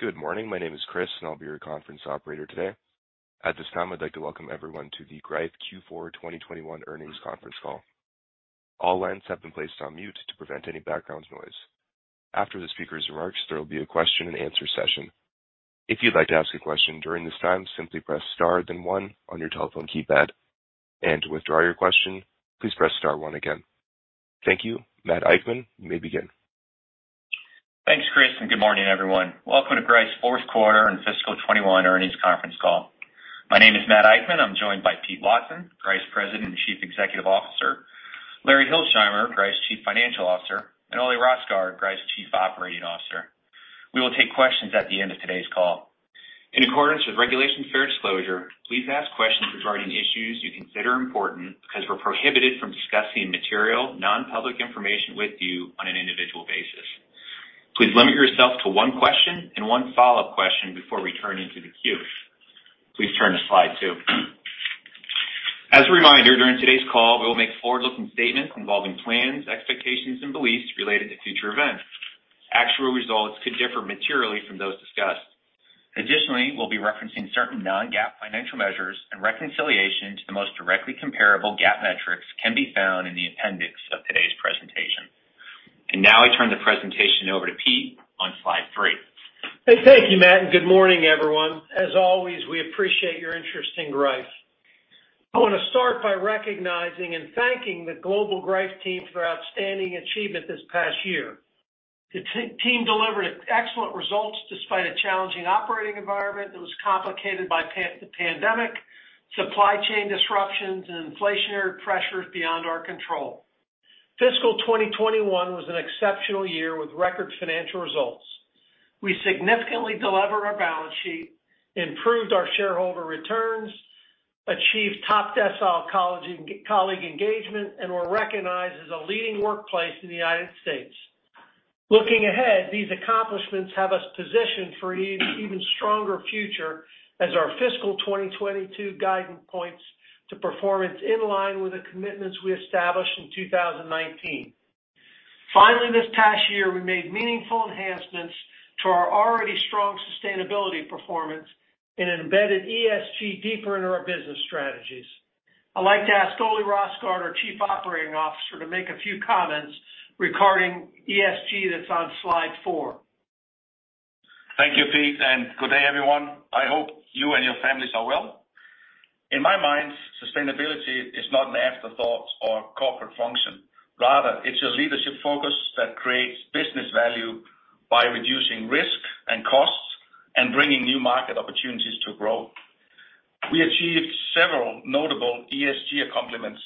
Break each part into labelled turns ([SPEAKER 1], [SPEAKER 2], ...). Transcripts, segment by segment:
[SPEAKER 1] Good morning. My name is Chris, and I'll be your conference operator today. At this time, I'd like to welcome everyone to the Greif Q4 2021 earnings conference call. All lines have been placed on mute to prevent any background noise. After the speaker's remarks, there will be a question-and-answer session. If you'd like to ask a question during this time, simply press star then one on your telephone keypad. To withdraw your question, please press star one again. Thank you. Matt Eichmann, you may begin.
[SPEAKER 2] Thanks, Chris, and good morning, everyone. Welcome to Greif's fourth quarter and fiscal 2021 earnings conference call. My name is Matt Eichmann. I'm joined by Pete Watson, Greif's President and Chief Executive Officer, Larry Hilsheimer, Greif's Chief Financial Officer, and Ole Rosgaard, Greif's Chief Operating Officer. We will take questions at the end of today's call. In accordance with Regulation Fair Disclosure, please ask questions regarding issues you consider important because we're prohibited from discussing material, non-public information with you on an individual basis. Please limit yourself to one question and one follow-up question before returning to the queue. Please turn to slide two. As a reminder, during today's call, we will make forward-looking statements involving plans, expectations and beliefs related to future events. Actual results could differ materially from those discussed. Additionally, we'll be referencing certain non-GAAP financial measures, and reconciliation to the most directly comparable GAAP metrics can be found in the appendix of today's presentation. Now I turn the presentation over to Pete on slide three.
[SPEAKER 3] Hey, thank you, Matt, and good morning, everyone. As always, we appreciate your interest in Greif. I wanna start by recognizing and thanking the global Greif team for outstanding achievement this past year. The team delivered excellent results despite a challenging operating environment that was complicated by the pandemic, supply chain disruptions and inflationary pressures beyond our control. Fiscal 2021 was an exceptional year with record financial results. We significantly delevered our balance sheet, improved our shareholder returns, achieved top decile colleague engagement, and were recognized as a leading workplace in the United States. Looking ahead, these accomplishments have us positioned for even stronger future as our Fiscal 2022 guidance points to performance in line with the commitments we established in 2019. Finally, this past year, we made meaningful enhancements to our already strong sustainability performance and embedded ESG deeper into our business strategies. I'd like to ask Ole Rosgaard, our Chief Operating Officer, to make a few comments regarding ESG that's on slide four.
[SPEAKER 4] Thank you, Pete, and good day, everyone. I hope you and your families are well. In my mind, sustainability is not an afterthought or corporate function. Rather, it's a leadership focus that creates business value by reducing risk and costs and bringing new market opportunities to grow. We achieved several notable ESG accomplishments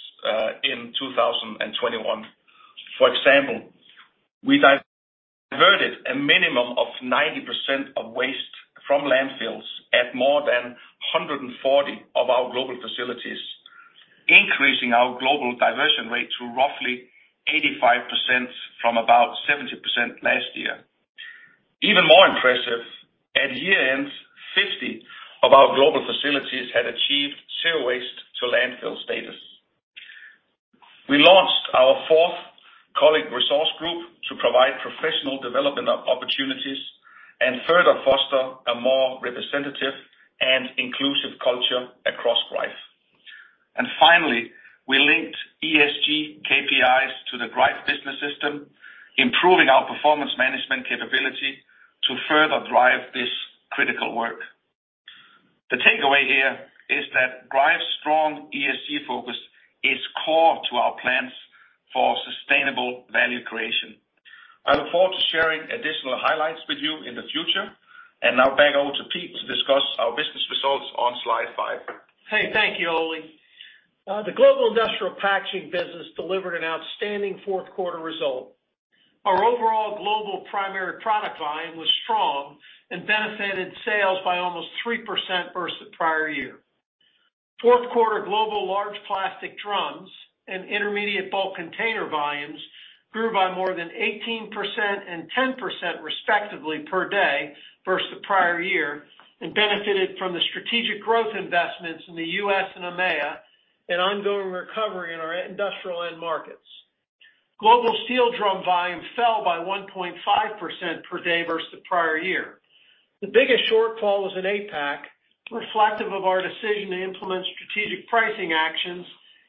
[SPEAKER 4] in 2021. For example, we diverted a minimum of 90% of waste from landfills at more than 140 of our global facilities, increasing our global diversion rate to roughly 85% from about 70% last year. Even more impressive, at year-end, 50 of our global facilities had achieved zero waste to landfill status. We launched our fourth colleague resource group to provide professional development opportunities and further foster a more representative and inclusive culture across Greif. Finally, we linked ESG KPIs to the Greif Business System, improving our performance management capability to further drive this critical work. The takeaway here is that Greif's strong ESG focus is core to our plans for sustainable value creation. I look forward to sharing additional highlights with you in the future. Now back over to Pete to discuss our business results on slide five.
[SPEAKER 3] Hey, thank you, Ole. The global industrial packaging business delivered an outstanding fourth quarter result. Our overall global primary product line was strong and benefited sales by almost 3% versus prior year. Fourth quarter global large plastic drums and intermediate bulk container volumes grew by more than 18% and 10%, respectively, per day versus the prior year, and benefited from the strategic growth investments in the U.S. and EMEA and ongoing recovery in our industrial end markets. Global steel drum volume fell by 1.5% per day versus the prior year. The biggest shortfall was in APAC, reflective of our decision to implement strategic pricing actions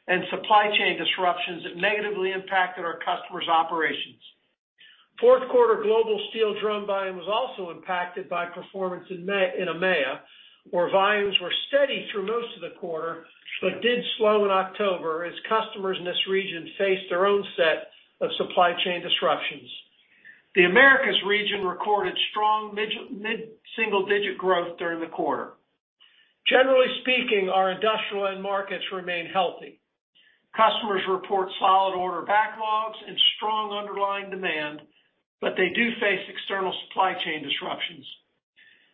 [SPEAKER 3] and supply chain disruptions that negatively impacted our customers' operations. Fourth quarter global steel drum volume was also impacted by performance in EMEA, where volumes were steady through most of the quarter but did slow in October as customers in this region faced their own set of supply chain disruptions. The Americas region recorded strong mid-single digit growth during the quarter. Generally speaking, our industrial end markets remain healthy. Customers report solid order backlogs and strong underlying demand, but they do face external supply chain disruptions.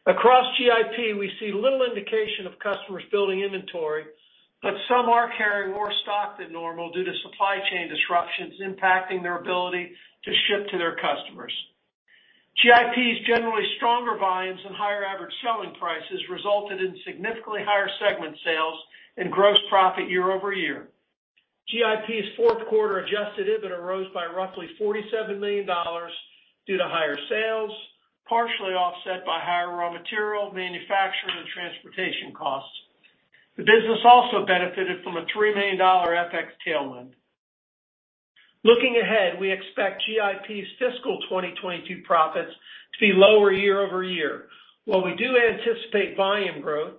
[SPEAKER 3] Across GIP, we see little indication of customers building inventory, but some are carrying more stock than normal due to supply chain disruptions impacting their ability to ship to their customers. GIP's generally stronger volumes and higher average resulted in significantly higher segment sales and gross profit year-over-year. GIP's fourth quarter adjusted EBITDA rose by roughly $47 million due to higher sales, partially offset by higher raw material, manufacturing, and transportation costs. The business also benefited from a $3 million FX tailwind. Looking ahead, we expect GIP's fiscal 2022 profits to be lower year-over-year. While we do anticipate volume growth,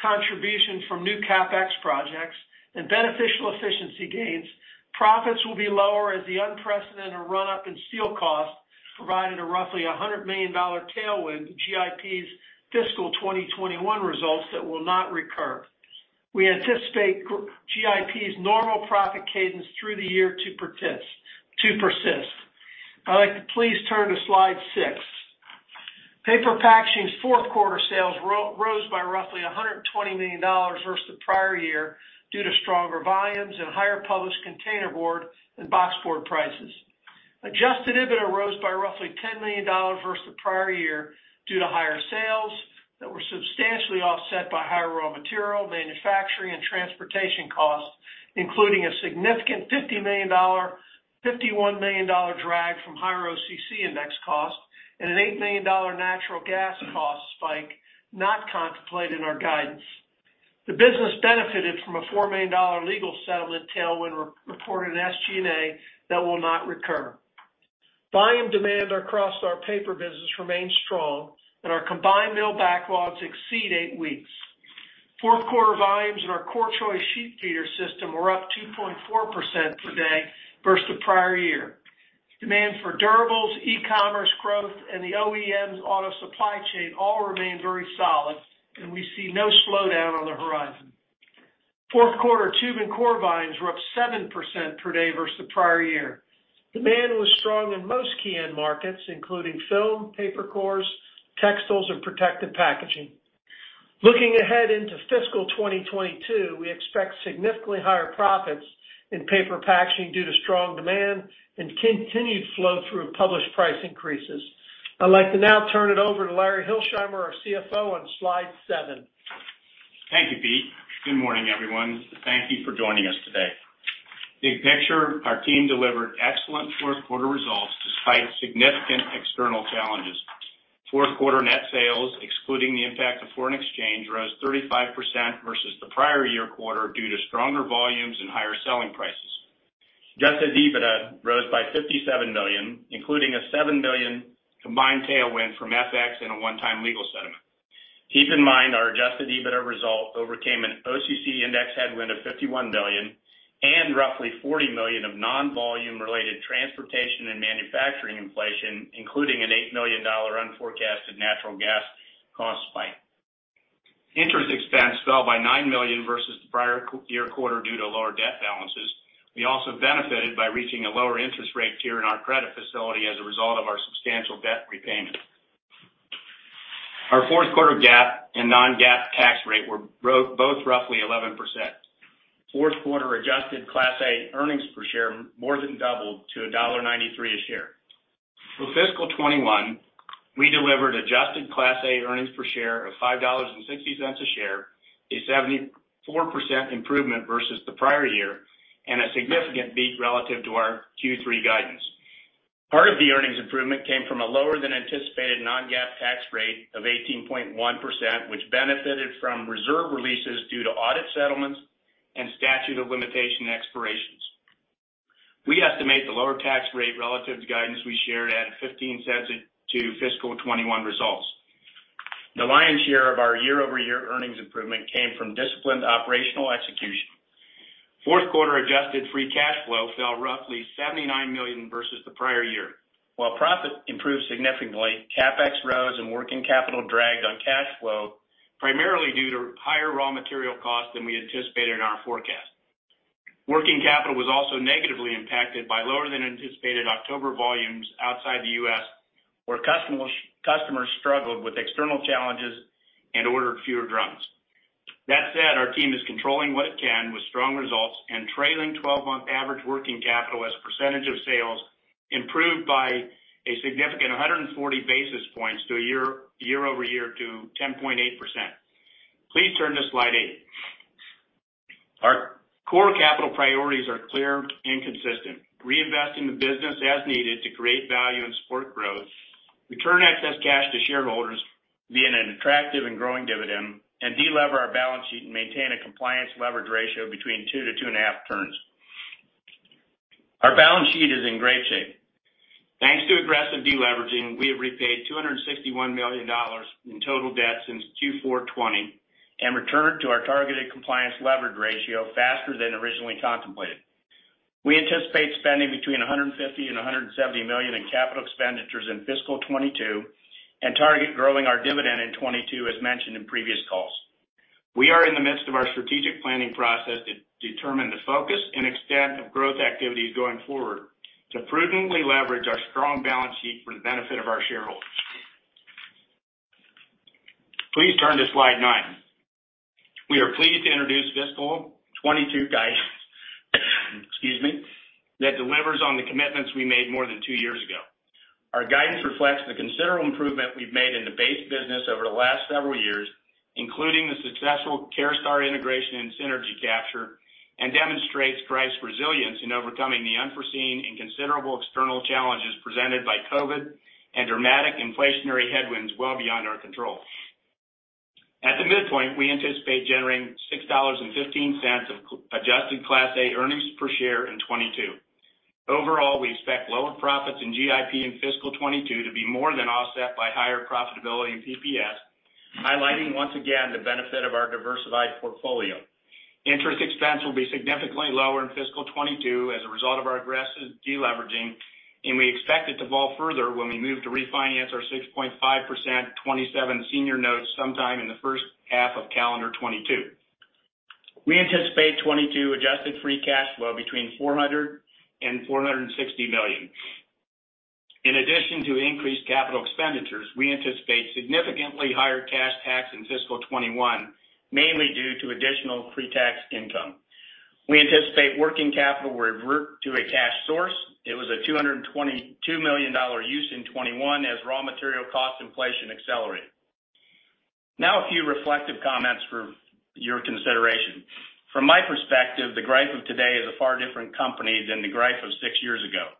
[SPEAKER 3] contribution from new CapEx projects, and beneficial efficiency gains, profits will be lower as the unprecedented run-up in steel costs provided a roughly $100 million tailwind to GIP's fiscal 2021 results that will not recur. We anticipate GIP's normal profit cadence through the year to persist. I'd like to please turn to slide 6. Paper Packaging's fourth quarter sales rose by roughly $120 million versus the prior year due to stronger volumes and higher published containerboard and boxboard prices. Adjusted EBITDA rose by roughly $10 million versus the prior year due to higher sales that were substantially offset by higher raw material, manufacturing, and transportation costs, including a significant $51 million drag from higher OCC index cost and an $8 million natural gas cost spike not contemplated in our guidance. The business benefited from a $4 million legal settlement tailwind re-reported in SG&A that will not recur. Volume demand across our paper business remains strong, and our combined mill backlogs exceed eight weeks. Fourth quarter volumes in our core choice sheet feeder system were up 2.4% per day versus the prior year. Demand for durables, e-commerce growth, and the OEM's auto supply chain all remain very solid, and we see no slowdown on the horizon. Fourth quarter tube and core volumes were up 7% per day versus the prior year. Demand was strong in most key end markets, including film, paper cores, textiles, and protective packaging. Looking ahead into fiscal 2022, we expect significantly higher profits in Paper Packaging due to strong demand and continued flow through of published price increases. I'd like to now turn it over to Larry Hilsheimer, our CFO, on slide seven.
[SPEAKER 5] Thank you, Pete. Good morning, everyone. Thank you for joining us today. Big picture, our team delivered excellent fourth quarter results despite significant external challenges. Fourth quarter net sales, excluding the impact of foreign exchange, rose 35% versus the prior year quarter due to stronger volumes and higher selling prices. Adjusted EBITDA rose by $57 million, including a $7 million combined tailwind from FX and a one-time legal settlement. Keep in mind, our adjusted EBITDA result overcame an OCC index headwind of $51 million and roughly $40 million of non-volume-related transportation and manufacturing inflation, including an $8 million unforecasted natural gas cost spike. Interest expense fell by $9 million versus the prior year quarter due to lower debt balances. We also benefited by reaching a lower interest rate tier in our credit facility as a result of our substantial debt repayment. Our fourth quarter GAAP and non-GAAP tax rate were both roughly 11%. Fourth quarter adjusted Class A earnings per share more than doubled to $1.93 a share. For fiscal 2021, we delivered adjusted Class A earnings per share of $5.60 a share, a 74% improvement versus the prior year, and a significant beat relative to our Q3 guidance. Part of the earnings improvement came from a lower than anticipated non-GAAP tax rate of 18.1%, which benefited from reserve releases due to audit settlements and statute of limitation expirations. We estimate the lower tax rate relative to guidance we shared adds $0.15 to fiscal 2021 results. The lion's share of our year-over-year earnings improvement came from disciplined operational execution. Fourth quarter adjusted free cash flow fell roughly $79 million versus the prior year. While profit improved significantly, CapEx rose and working capital dragged on cash flow primarily due to higher raw material costs than we anticipated in our forecast. Working capital was also negatively impacted by lower than anticipated October volumes outside the U.S. where customers struggled with external challenges and ordered fewer drums. That said, our team is controlling what it can with strong results and trailing twelve-month average working capital as a percentage of sales improved by a significant 140 basis points year over year to 10.8%. Please turn to slide eight. Our core capital priorities are clear and consistent. Reinvest in the business as needed to create value and support growth. Return excess cash to shareholders via an attractive and growing dividend. De-lever our balance sheet and maintain a compliance leverage ratio between 2-2.5 turns. Our balance sheet is in great shape. Thanks to aggressive de-leveraging, we have repaid $261 million in total debt since Q4 2020 and returned to our targeted compliance leverage ratio faster than originally contemplated. We anticipate spending between $150 million-$170 million in capital expenditures in fiscal 2022 and target growing our dividend in 2022 as mentioned in previous calls. We are in the midst of our strategic planning process to determine the focus and extent of growth activities going forward to prudently leverage our strong balance sheet for the benefit of our shareholders. Please turn to slide nine. We are pleased to introduce fiscal 2022 guidance, excuse me, that delivers on the commitments we made more than two years ago. Our guidance reflects the considerable improvement we've made in the base business over the last several years, including the successful Caraustar integration and synergy capture, and demonstrates Greif's resilience in overcoming the unforeseen and considerable external challenges presented by COVID and dramatic inflationary headwinds well beyond our control. At the midpoint, we anticipate generating $6.15 of adjusted Class A earnings per share in 2022. Overall, we expect lower profits in GIP in fiscal 2022 to be more than offset by higher profitability in PPS, highlighting once again the benefit of our diversified portfolio. Interest expense will be significantly lower in fiscal 2022 as a result of our aggressive deleveraging, and we expect it to fall further when we move to refinance our 6.5% 2027 senior notes sometime in the first half of calendar 2022. We anticipate 2022 adjusted free cash flow between $400 million and $460 million. In addition to increased capital expenditures, we anticipate significantly higher cash tax in fiscal 2021, mainly due to additional pre-tax income. We anticipate working capital will revert to a cash source. It was a $222 million use in 2021 as raw material cost inflation accelerated. Now a few reflective comments for your consideration. From my perspective, the Greif of today is a far different company than the Greif of six years ago.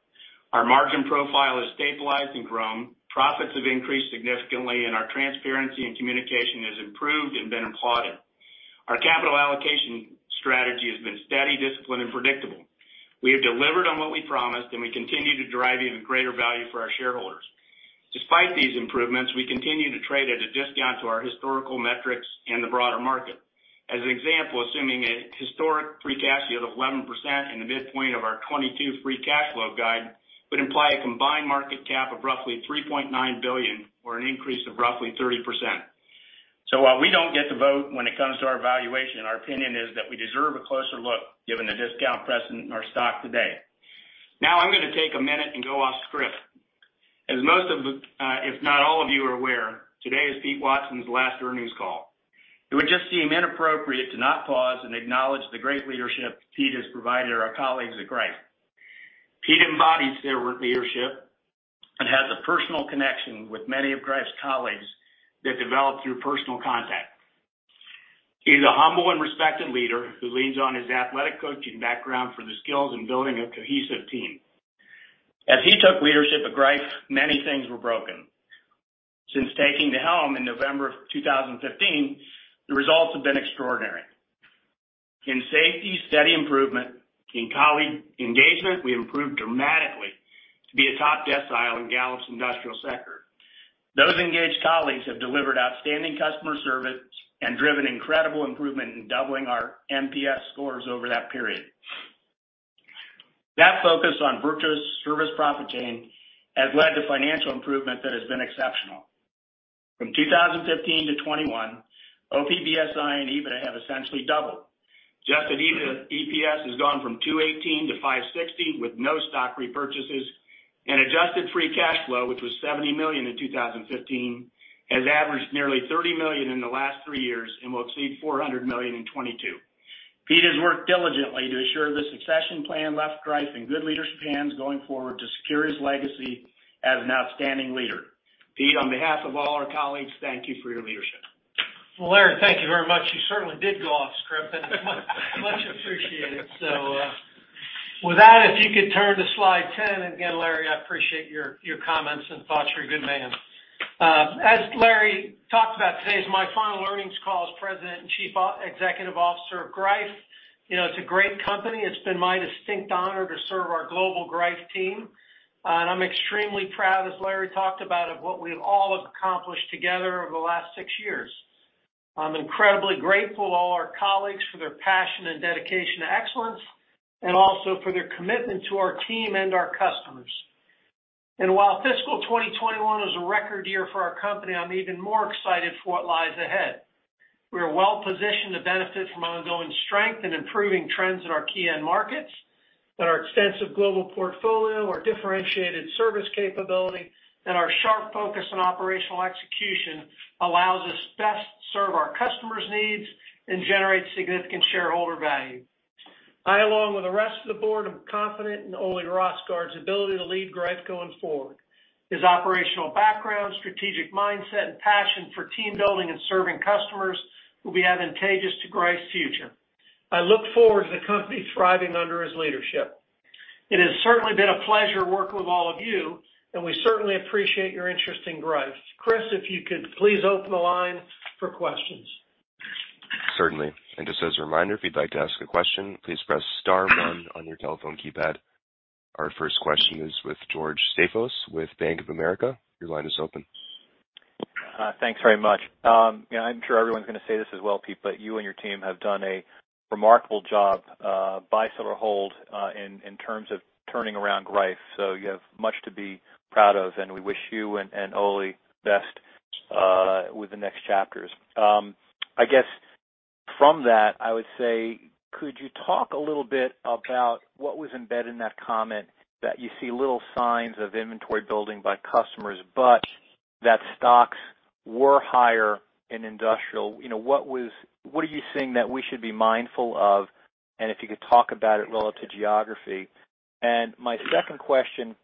[SPEAKER 5] Our margin profile has stabilized and grown. Profits have increased significantly, and our transparency and communication has improved and been applauded. Our capital allocation strategy has been steady, disciplined, and predictable. We have delivered on what we promised, and we continue to drive even greater value for our shareholders. Despite these improvements, we continue to trade at a discount to our historical metrics and the broader market. As an example, assuming a historic free cash yield of 11% in the midpoint of our 2022 free cash flow guide would imply a combined market cap of roughly $3.9 billion or an increase of roughly 30%. While we don't get to vote when it comes to our valuation, our opinion is that we deserve a closer look given the discount present in our stock today. Now I'm gonna take a minute and go off script. As most of the, if not all, of you are aware, today is Pete Watson's last earnings call. It would just seem inappropriate to not pause and acknowledge the great leadership Pete has provided our colleagues at Greif. Pete embodies their leadership and has a personal connection with many of Greif's colleagues that developed through personal contact. He's a humble and respected leader who leans on his athletic coaching background for the skills in building a cohesive team. As he took leadership at Greif, many things were broken. Since taking the helm in November 2015, the results have been extraordinary. In safety, steady improvement. In colleague engagement, we improved dramatically to be a top decile in Gallup's industrial sector. Those engaged colleagues have delivered outstanding customer service and driven incredible improvement in doubling our MPS scores over that period. That focus on virtuous service profit chain has led to financial improvement that has been exceptional. From 2015 to 2021, OPPSI and EBITDA have essentially doubled. Adjusted EPS has gone from $2.18 to $5.60 with no stock repurchases, and adjusted free cash flow, which was $70 million in 2015, has averaged nearly $30 million in the last three years and will exceed $400 million in 2022. Pete has worked diligently to assure the succession plan left Greif in good leaders' hands going forward to secure his legacy as an outstanding leader. Pete, on behalf of all our colleagues, thank you for your leadership.
[SPEAKER 3] Well, Larry, thank you very much. You certainly did go off script and much, much appreciated. With that, if you could turn to slide 10. Again, Larry, I appreciate your comments and thoughts. You're a good man. As Larry talked about, today is my final earnings call as President and Chief Executive Officer of Greif. You know, it's a great company. It's been my distinct honor to serve our global Greif team, and I'm extremely proud, as Larry talked about, of what we all have accomplished together over the last six years. I'm incredibly grateful to all our colleagues for their passion and dedication to excellence, and also for their commitment to our team and our customers. While fiscal 2021 was a record year for our company, I'm even more excited for what lies ahead. We are well-positioned to benefit from ongoing strength and improving trends in our key end markets, and our extensive global portfolio, our differentiated service capability, and our sharp focus on operational execution allows us to best serve our customers' needs and generate significant shareholder value. I, along with the rest of the board, am confident in Ole Rosgaard's ability to lead Greif going forward. His operational background, strategic mindset, and passion for team building and serving customers will be advantageous to Greif's future. I look forward to the company thriving under his leadership. It has certainly been a pleasure working with all of you, and we certainly appreciate your interest in Greif. Chris, if you could please open the line for questions.
[SPEAKER 1] Certainly. Just as a reminder, if you'd like to ask a question, please press star one on your telephone keypad. Our first question is with George Staphos with Bank of America. Your line is open.
[SPEAKER 6] Thanks very much. Yeah, I'm sure everyone's gonna say this as well, Pete, but you and your team have done a remarkable job, buy, sell, or hold, in terms of turning around Greif. You have much to be proud of, and we wish you and Ole best with the next chapters. I guess from that, I would say, could you talk a little bit about what was embedded in that comment that you see little signs of inventory building by customers, but that stocks were higher in industrial. You know, what are you seeing that we should be mindful of? And if you could talk about it relative to geography. My second question,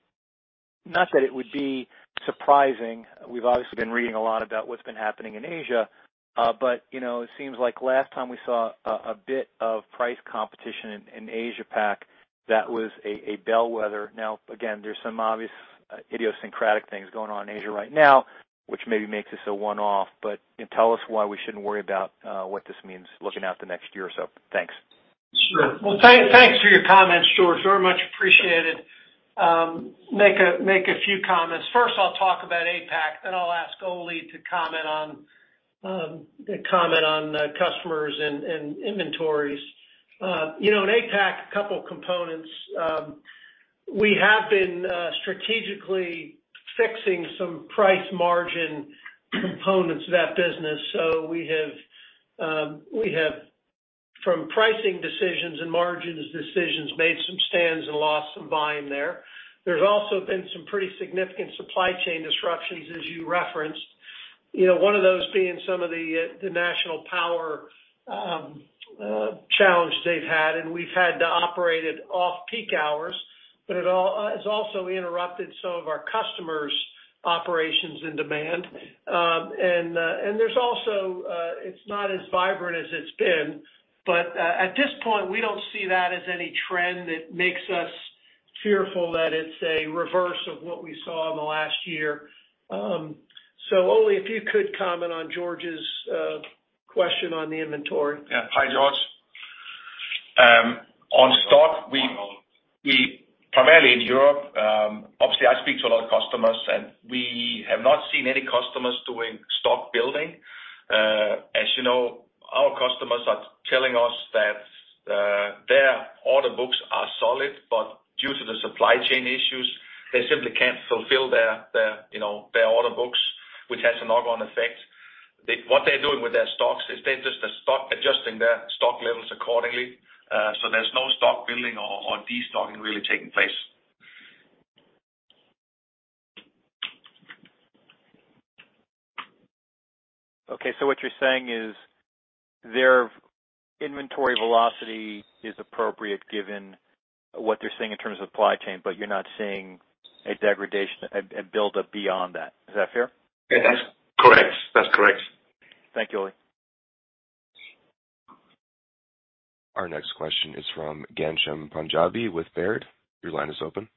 [SPEAKER 6] not that it would be surprising, we've obviously been reading a lot about what's been happening in Asia, but, you know, it seems like last time we saw a bit of price competition in Asia Pac, that was a bellwether. Now, again, there's some obvious idiosyncratic things going on in Asia right now, which maybe makes this a one-off, but, you know, tell us why we shouldn't worry about what this means looking out the next year or so. Thanks.
[SPEAKER 3] Sure. Well, thanks for your comments, George. Very much appreciated. I'll make a few comments. First, I'll talk about APAC, then I'll ask Ole to comment on the customers and inventories. You know, in APAC, a couple components. We have been strategically fixing some price margin components of that business. We have from pricing decisions and margins decisions, made some stands and lost some buying there. There's also been some pretty significant supply chain disruptions, as you referenced. You know, one of those being some of the national power challenge they've had, and we've had to operate at off-peak hours. It also interrupted some of our customers' operations and demand. There's also. It's not as vibrant as it's been, but at this point, we don't see that as any trend that makes us fearful that it's a reverse of what we saw in the last year. Ole, if you could comment on George's question on the inventory.
[SPEAKER 4] Yeah. Hi, George. On stock, we primarily in Europe, obviously I speak to a lot of customers, and we have not seen any customers doing stock building. As you know, our customers are telling us that their order books are solid, but due to the supply chain issues, they simply can't fulfill their you know, their order books, which has a knock-on effect. What they're doing with their stocks is they're just adjusting their stock levels accordingly. So there's no stock building or destocking really taking place.
[SPEAKER 6] Okay, what you're saying is their inventory velocity is appropriate given what they're seeing in terms of supply chain, but you're not seeing a degradation, a buildup beyond that. Is that fair?
[SPEAKER 4] Yes. Correct. That's correct.
[SPEAKER 6] Thank you, Ole.
[SPEAKER 1] Our next question is from Ghansham Panjabi with Baird. Your line is open.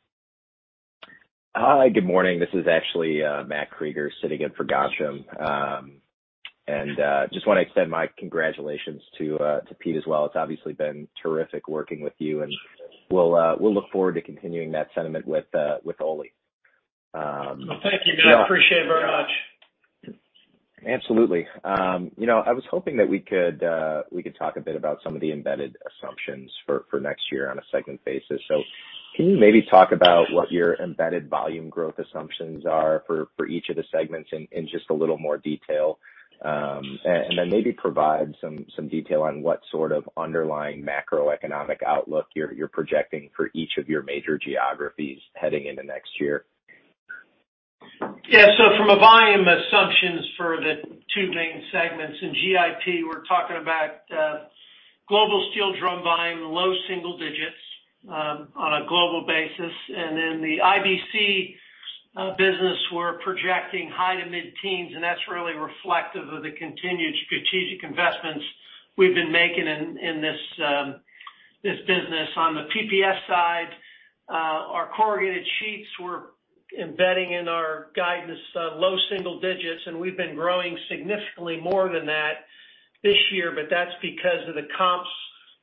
[SPEAKER 7] Hi, good morning. This is actually Matt Krueger sitting in for Ghansham. Just wanna extend my congratulations to Pete as well. It's obviously been terrific working with you, and we'll look forward to continuing that sentiment with Ole.
[SPEAKER 3] Well, thank you, Matt. I appreciate it very much.
[SPEAKER 7] Absolutely. You know, I was hoping that we could talk a bit about some of the embedded assumptions for next year on a segment basis. Can you maybe talk about what your embedded volume growth assumptions are for each of the segments in just a little more detail? Then maybe provide some detail on what sort of underlying macroeconomic outlook you're projecting for each of your major geographies heading into next year.
[SPEAKER 3] Yeah. From a volume assumptions for the two main segments. In GIP, we're talking about global steel drum volume, low-single-digit on a global basis. In the IBC business, we're projecting high- to mid-teens, and that's really reflective of the continued strategic investments we've been making in this business. On the PPS side, our corrugated sheets we're embedding in our guidance low-single-digit, and we've been growing significantly more than that this year, but that's because the comps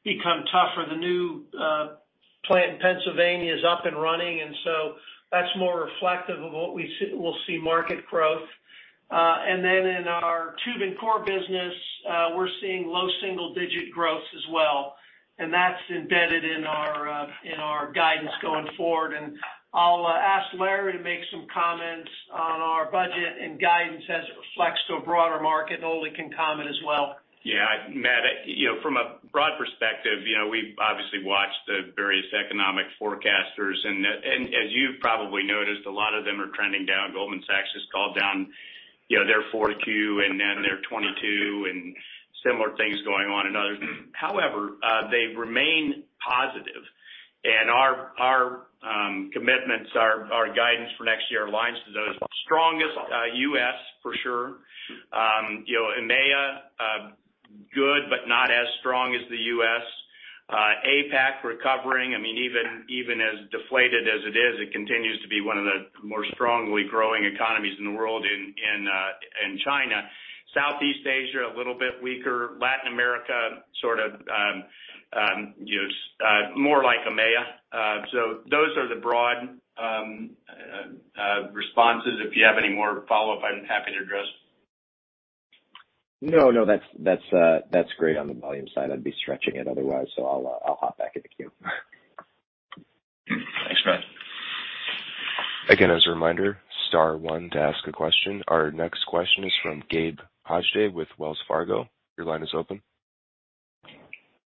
[SPEAKER 3] become tougher. The new plant in Pennsylvania is up and running, and so that's more reflective of what we see, we'll see market growth. Then in our tube and core business, we're seeing low single-digit growth as well, and that's embedded in our guidance going forward. I'll ask Larry to make some comments on our budget and guidance as it relates to a broader market, and Ole can comment as well.
[SPEAKER 5] Yeah. Matt, you know, from a broad perspective, you know, we've obviously watched the various economic forecasters. As you've probably noticed, a lot of them are trending down. Goldman Sachs has called down, you know, their 4Q and then their 2022 and similar things going on in others. However, they remain positive, and our commitments, our guidance for next year aligns to those. Strongest U.S. for sure. You know, EMEA, good but not as strong as the U.S. APAC recovering. I mean, even as deflated as it is, it continues to be one of the more strongly growing economies in the world in China. Southeast Asia, a little bit weaker. Latin America, sort of, you know, more like EMEA. Those are the broad responses. If you have any more follow-up, I'm happy to address.
[SPEAKER 7] No, that's great on the volume side. I'd be stretching it otherwise, so I'll hop back in the queue.
[SPEAKER 5] Thanks, Matt.
[SPEAKER 1] Again, as a reminder, star one to ask a question. Our next question is from Gabe Hajde with Wells Fargo. Your line is open.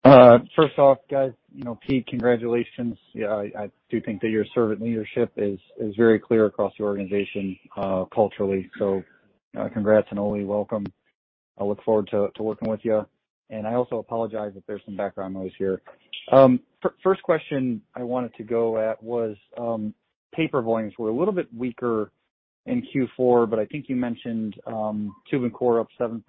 [SPEAKER 8] First off, guys, you know, Pete, congratulations. Yeah, I do think that your servant leadership is very clear across the organization, culturally. Congrats, and Ole, welcome. I look forward to working with you. I also apologize if there's some background noise here. First question I wanted to go at was, paper volumes were a little bit weaker in Q4, but I think you mentioned, tube and core up 7%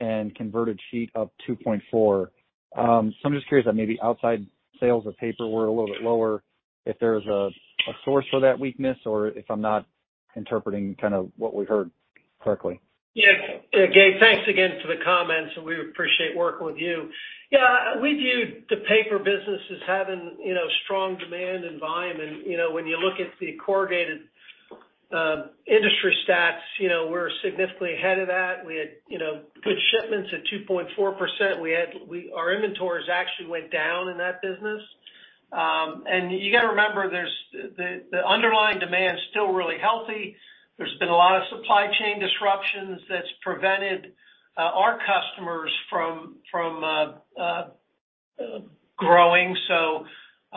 [SPEAKER 8] and converted sheet up 2.4%. I'm just curious if maybe outside sales of paper were a little bit lower, if there's a source for that weakness or if I'm not interpreting kind of what we heard correctly.
[SPEAKER 3] Gabe, thanks again for the comments, and we appreciate working with you. We viewed the paper business as having strong demand environment. When you look at the corrugated industry stats, we're significantly ahead of that. We had good shipments at 2.4%. Our inventories actually went down in that business. You gotta remember, the underlying demand is still really healthy. There's been a lot of supply chain disruptions that's prevented our customers from growing.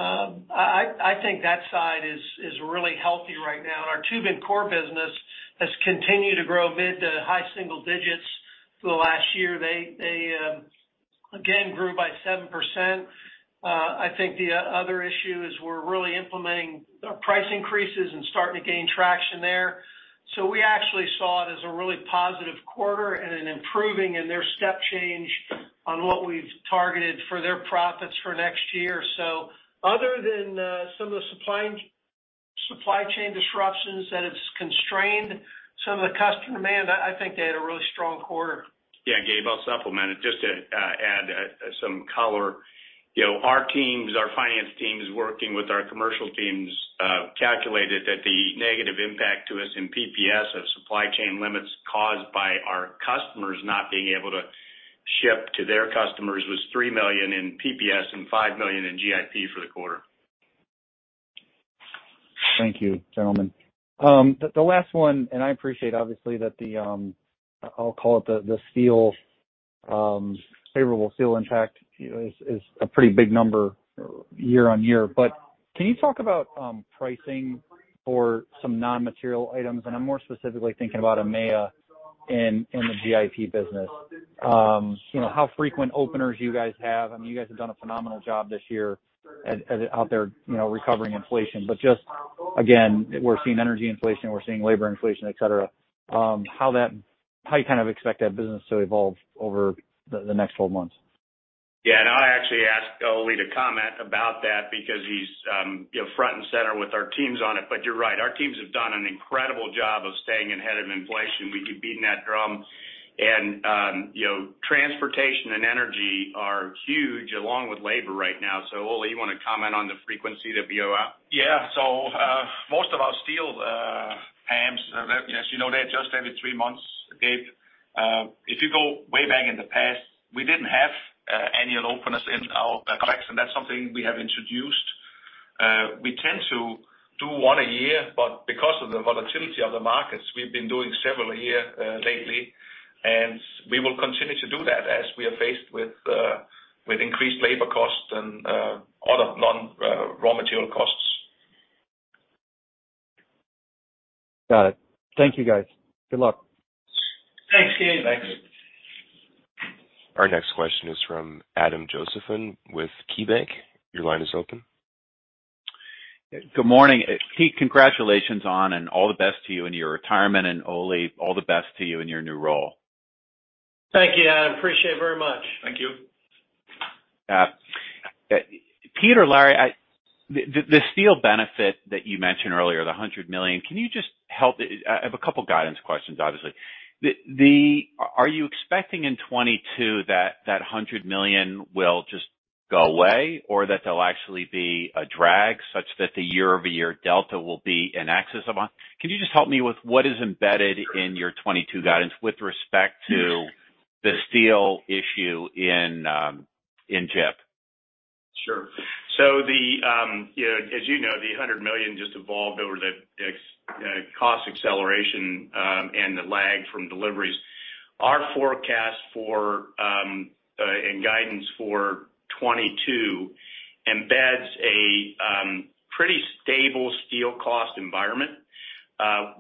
[SPEAKER 3] I think that side is really healthy right now. Our tube and core business has continued to grow mid to high single digits for the last year. They again grew by 7%. I think the other issue is we're really implementing our price increases and starting to gain traction there. We actually saw it as a really positive quarter and an improvement in their step change on what we've targeted for their profits for next year. Other than some of the supply chain disruptions that it's constrained some of the customer demand, I think they had a really strong quarter.
[SPEAKER 5] Yeah. Gabe, I'll supplement it. Just to add some color. You know, our teams, our finance teams working with our commercial teams calculated that the negative impact to us in PPS of supply chain limits caused by our customers not being able to ship to their customers was $3 million in PPS and $5 million in GIP for the quarter.
[SPEAKER 8] Thank you, gentlemen. The last one. I appreciate obviously that, I'll call it, the steel favorable steel impact, you know, is a pretty big number year-on-year. Can you talk about pricing for some non-material items? I'm more specifically thinking about EMEA in the GIP business. You know, how frequent openers you guys have. I mean, you guys have done a phenomenal job this year at out there, you know, recovering inflation. Just again, we're seeing energy inflation, we're seeing labor inflation, et cetera, how you kind of expect that business to evolve over the next 12 months.
[SPEAKER 3] Yeah. I'll actually ask Ole to comment about that because he's, you know, front and center with our teams on it. You're right. Our teams have done an incredible job of staying ahead of inflation. We keep beating that drum. You know, transportation and energy are huge along with labor right now. Ole, you wanna comment on the frequency that we are?
[SPEAKER 4] Yeah. Most of our steel PAMs, that as you know, they adjust every three months, Gabe. If you go way back in the past, we didn't have annual openers in our contracts, and that's something we have introduced. We tend to do one a year, but because of the volatility of the markets, we've been doing several a year lately, and we will continue to do that as we are faced with increased labor costs and other non-raw material costs.
[SPEAKER 8] Got it. Thank you, guys. Good luck.
[SPEAKER 3] Thanks, Gabe.
[SPEAKER 4] Thanks.
[SPEAKER 1] Our next question is from Adam Josephson with KeyBanc. Your line is open.
[SPEAKER 9] Good morning. Pete, congratulations, and all the best to you in your retirement, and Ole, all the best to you in your new role.
[SPEAKER 3] Thank you, Adam. I appreciate it very much.
[SPEAKER 4] Thank you.
[SPEAKER 9] Pete, Larry, the steel benefit that you mentioned earlier, the $100 million. I have a couple guidance questions, obviously. Are you expecting in 2022 that $100 million will just go away or that they'll actually be a drag such that the year-over-year delta will be in excess of $100 million? Can you just help me with what is embedded in your 2022 guidance with respect to the steel issue in GIP?
[SPEAKER 5] Sure. The $100 million just evolved over the cost acceleration and the lag from deliveries. Our forecast and guidance for 2022 embeds a pretty stable steel cost environment.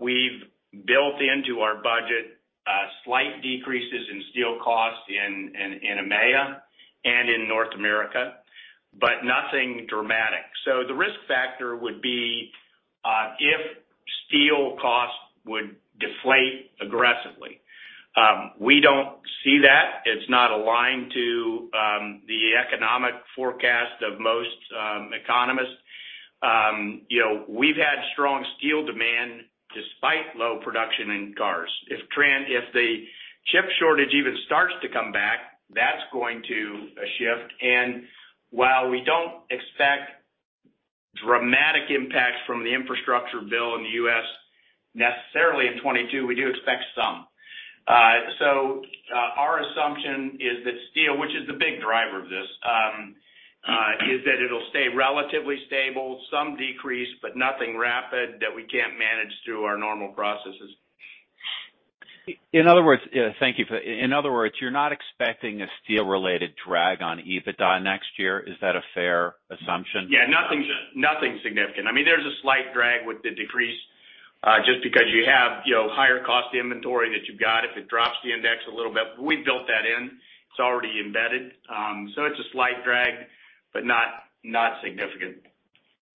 [SPEAKER 5] We've built into our budget slight decreases in steel costs in EMEA and in North America, but nothing dramatic. The risk factor would be if steel costs would deflate aggressively. We don't see that. It's not aligned to the economic forecast of most economists. You know, we've had strong steel demand despite low production in cars. If the chip shortage even starts to come back, that's going to shift. While we don't expect dramatic impact from the infrastructure bill in the U.S. necessarily in 2022, we do expect some. Our assumption is that steel, which is the big driver of this, is that it'll stay relatively stable, some decrease, but nothing rapid that we can't manage through our normal processes.
[SPEAKER 9] In other words, you're not expecting a steel related drag on EBITDA next year. Is that a fair assumption?
[SPEAKER 5] Yeah, nothing significant. I mean, there's a slight drag with the decrease just because you have, you know, higher cost inventory that you've got if it drops the index a little bit. We built that in. It's already embedded. So it's a slight drag, but not significant.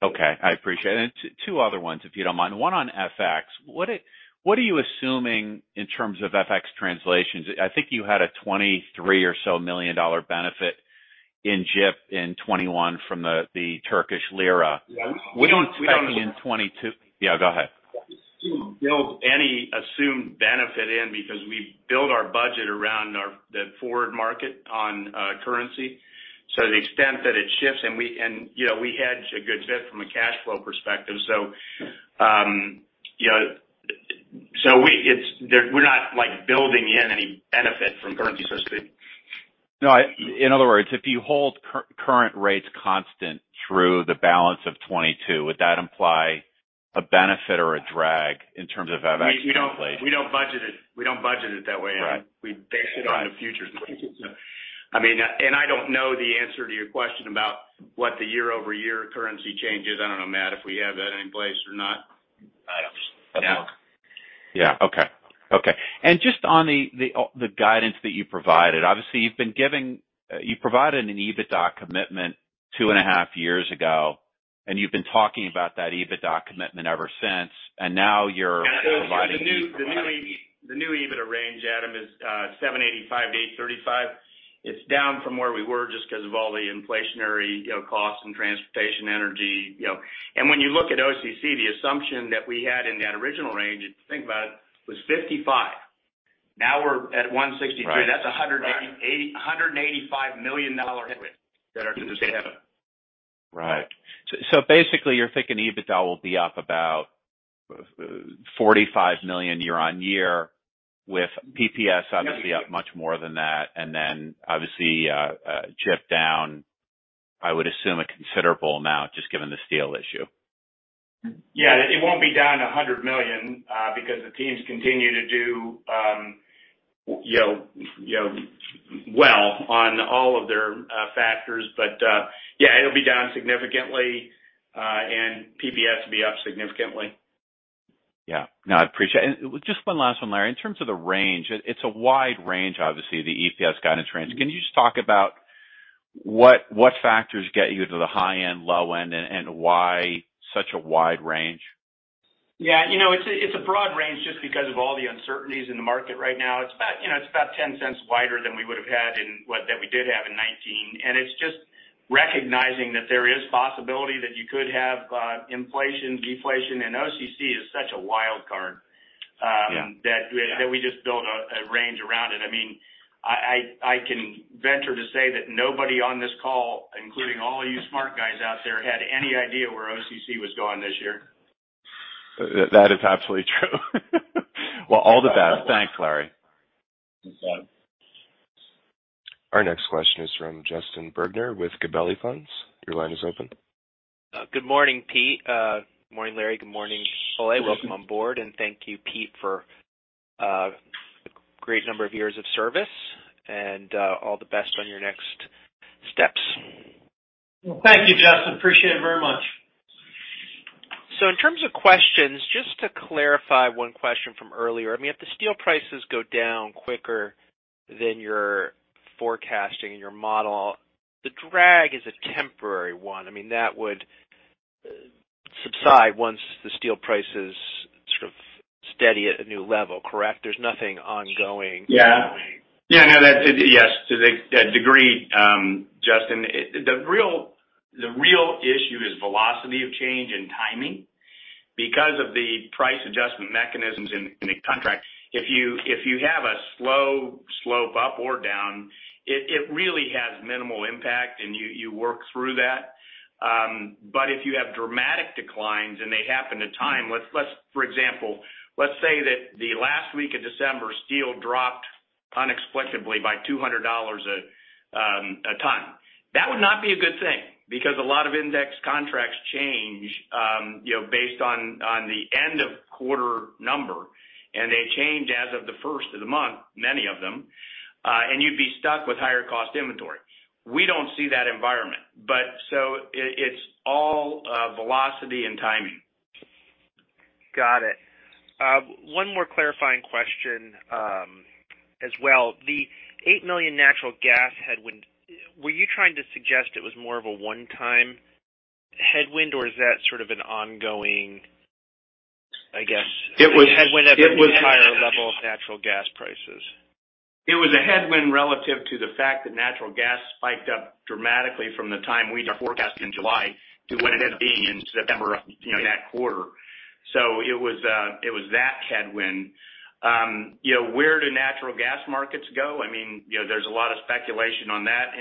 [SPEAKER 9] Okay, I appreciate it. Two other ones, if you don't mind. One on FX. What are you assuming in terms of FX translations? I think you had a $23 million or so benefit in GIP in 2021 from the Turkish Lira.
[SPEAKER 5] Yeah, we don't.
[SPEAKER 9] We don't see any in 2022. Yeah, go ahead.
[SPEAKER 5] We don't build any assumed benefit in because we build our budget around the forward market on currency. To the extent that it shifts and, you know, we hedge a good bit from a cash flow perspective. You know, we're not, like, building in any benefit from currency perspective.
[SPEAKER 9] No, in other words, if you hold current rates constant through the balance of 2022, would that imply a benefit or a drag in terms of FX translation?
[SPEAKER 5] We don't budget it that way, Adam.
[SPEAKER 9] Right.
[SPEAKER 5] We base it on the futures. I mean, I don't know the answer to your question about what the year-over-year currency change is. I don't know, Matt, if we have that in place or not. I don't.
[SPEAKER 7] No.
[SPEAKER 9] Okay. Just on the guidance that you provided, obviously you provided an EBITDA commitment two and a half years ago, and you've been talking about that EBITDA commitment ever since. Now you're providing a new
[SPEAKER 5] The new EBITDA range, Adam, is $785-$835. It's down from where we were just 'cause of all the inflationary, you know, costs and transportation, energy, you know. When you look at OCC, the assumption that we had in that original range, if you think about it, was $55. Now we're at $162.
[SPEAKER 9] Right.
[SPEAKER 5] That's a $185 million headwind that are to this EBITDA.
[SPEAKER 9] Right. Basically you're thinking EBITDA will be up about $45 million year-over-year with PPS obviously up much more than that. Obviously, GIP down, I would assume, a considerable amount just given the steel issue.
[SPEAKER 5] Yeah. It won't be down $100 million because the teams continue to do you know well on all of their factors. Yeah, it'll be down significantly, and PPS will be up significantly.
[SPEAKER 9] Yeah. No, I appreciate it. Just one last one, Larry. In terms of the range, it's a wide range, obviously, the EPS guidance range. Can you just talk about what factors get you to the high end, low end, and why such a wide range?
[SPEAKER 5] Yeah. You know, it's a broad range just because of all the uncertainties in the market right now. It's about, you know, $0.10 Wider than what we did have in 2019. It's just recognizing that there is possibility that you could have inflation, deflation, and OCC is such a wild card.
[SPEAKER 9] Yeah.
[SPEAKER 5] that we just build a range around it. I mean, I can venture to say that nobody on this call, including all you smart guys out there, had any idea where OCC was going this year.
[SPEAKER 9] That is absolutely true. Well, all the best. Thanks, Larry.
[SPEAKER 5] Thanks, Adam.
[SPEAKER 1] Our next question is from Justin Bergner with Gabelli Funds. Your line is open.
[SPEAKER 10] Good morning, Pete. Good morning, Larry. Good morning, Ole. Welcome on board, and thank you, Pete, for a great number of years of service and all the best on your next steps.
[SPEAKER 3] Thank you, Justin. Appreciate it very much.
[SPEAKER 10] In terms of questions, just to clarify one question from earlier, I mean, if the steel prices go down quicker than you're forecasting in your model, the drag is a temporary one. I mean, that would subside once the steel price is sort of steady at a new level, correct? There's nothing ongoing.
[SPEAKER 5] Yes, to a degree, Justin. The real issue is velocity of change and timing. Because of the price adjustment mechanisms in the contract, if you have a slow slope up or down, it really has minimal impact and you work through that. But if you have dramatic declines and they happen to time. For example, let's say that the last week of December, steel dropped inexplicably by $200 a ton. That would not be a good thing because a lot of index contracts change, you know, based on the end-of-quarter number, and they change as of the first of the month, many of them, and you'd be stuck with higher cost inventory. We don't see that environment, but it's all velocity and timing.
[SPEAKER 10] Got it. One more clarifying question, as well. The $8 million natural gas headwind, were you trying to suggest it was more of a one-time headwind, or is that sort of an ongoing?
[SPEAKER 5] It was-
[SPEAKER 10] headwind of the entire level of natural gas prices?
[SPEAKER 5] It was a headwind relative to the fact that natural gas spiked up dramatically from the time we did our forecast in July to what it ended up being in September, you know, that quarter. It was that headwind. You know, where do natural gas markets go? I mean, you know, there's a lot of speculation on that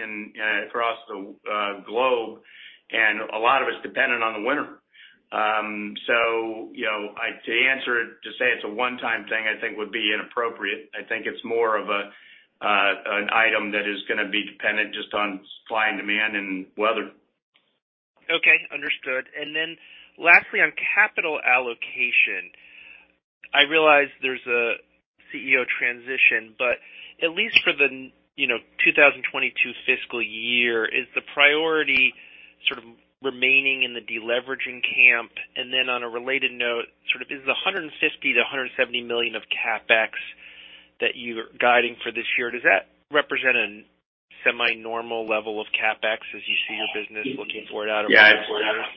[SPEAKER 5] across the globe, and a lot of it's dependent on the winter. You know, to answer it, to say it's a one-time thing, I think would be inappropriate. I think it's more of an item that is gonna be dependent just on supply and demand and weather.
[SPEAKER 10] Okay, understood. Lastly, on capital allocation, I realize there's a CEO transition, but at least for the, you know, 2022 fiscal year, is the priority sort of remaining in the deleveraging camp? On a related note, sort of, is the $150 million-$170 million of CapEx that you're guiding for this year, does that represent a semi-normal level of CapEx as you see your business looking forward out over the next years?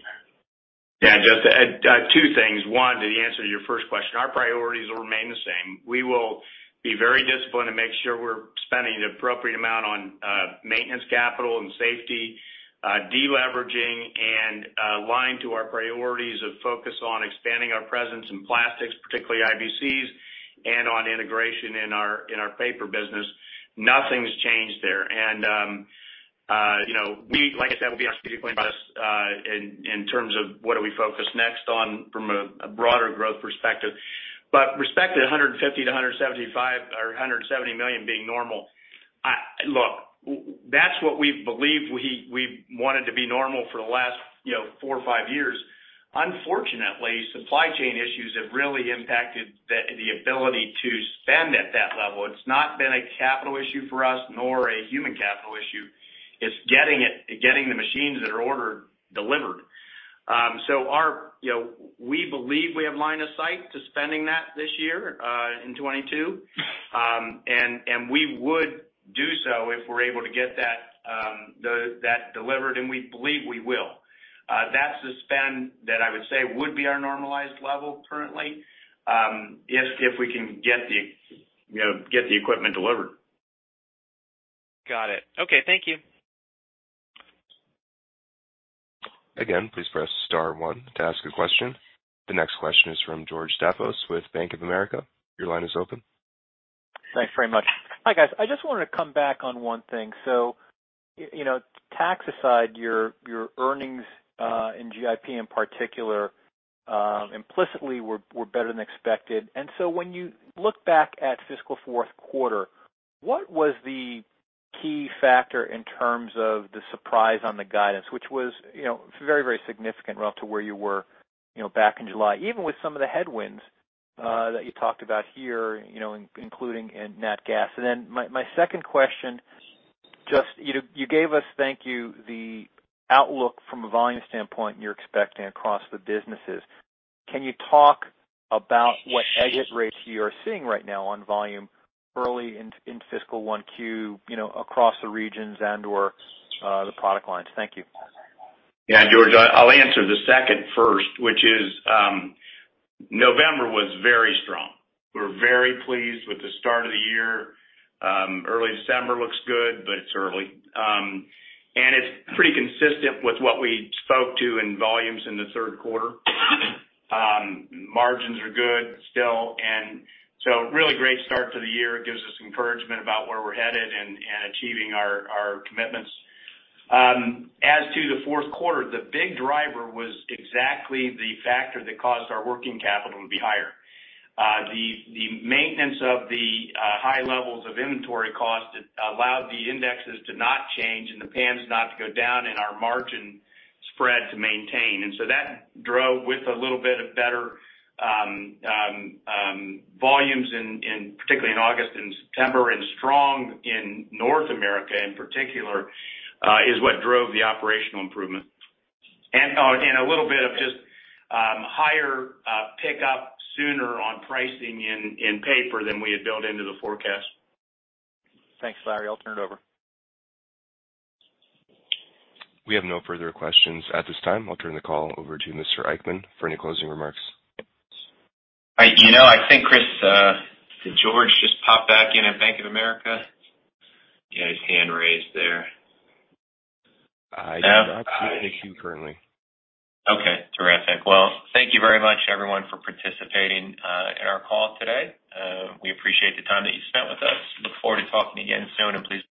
[SPEAKER 5] Yeah, just two things. One, to answer your first question, our priorities will remain the same. We will be very disciplined to make sure we're spending the appropriate amount on maintenance capital and safety, deleveraging, and aligned to our priorities of focus on expanding our presence in plastics, particularly IBCs and on integration in our paper business. Nothing's changed there. You know, like I said, we'll be on a point-by-point basis in terms of what do we focus next on from a broader growth perspective. With respect to $150 million-$175 million or $170 million being normal, look, that's what we believe we wanted to be normal for the last, you know, four or five years. Unfortunately, supply chain issues have really impacted the ability to spend at that level. It's not been a capital issue for us, nor a human capital issue. It's getting the machines that are ordered delivered. You know, we believe we have line of sight to spending that this year, in 2022. We would do so if we're able to get that delivered, and we believe we will. That's the spend that I would say would be our normalized level currently, if we can get the equipment delivered, you know.
[SPEAKER 10] Got it. Okay, thank you.
[SPEAKER 1] Again, please press star one to ask a question. The next question is from George Staphos with Bank of America. Your line is open.
[SPEAKER 6] Thanks very much. Hi, guys. I just wanted to come back on one thing. You know, tax aside, your earnings in GIP in particular implicitly were better than expected. When you look back at fiscal fourth quarter, what was the key factor in terms of the surprise on the guidance, which was, you know, very, very significant relative to where you were, you know, back in July, even with some of the headwinds that you talked about here, you know, including nat gas? Then my second question, just, you know, you gave us, thank you, the outlook from a volume standpoint you're expecting across the businesses. Can you talk about what growth rates you are seeing right now on volume early in fiscal 1Q, you know, across the regions and/or the product lines? Thank you.
[SPEAKER 5] Yeah, George. I'll answer the second first, which is, November was very strong. We're very pleased with the start of the year. Early December looks good, but it's early. It's pretty consistent with what we spoke to in volumes in the third quarter. Margins are good still, and so really great start to the year. It gives us encouragement about where we're headed and achieving our commitments. As to the fourth quarter, the big driver was exactly the factor that caused our working capital to be higher. The maintenance of the high levels of inventory cost allowed the indexes to not change and the PAMs not to go down and our margin spread to maintain. That drove with a little bit of better volumes particularly in August and September, and strong in North America in particular, is what drove the operational improvement. A little bit of just higher pickup sooner on pricing in paper than we had built into the forecast.
[SPEAKER 6] Thanks, Larry. I'll turn it over.
[SPEAKER 1] We have no further questions at this time. I'll turn the call over to Mr. Eichmann for any closing remarks.
[SPEAKER 2] You know, I think, Chris, did George just pop back in at Bank of America? Yeah, he's hand raised there.
[SPEAKER 1] I do not see him in queue currently.
[SPEAKER 2] Okay. Terrific. Well, thank you very much everyone for participating in our call today. We appreciate the time that you spent with us. Look forward to talking again soon, and please.